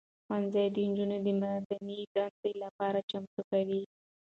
ښوونځي نجونې د مدني دندې لپاره چمتو کوي.